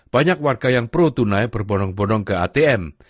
banyak warga yang pro tunai berbonong bonong ke atm